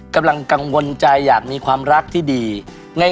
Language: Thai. กังวลใจอยากมีความรักที่ดี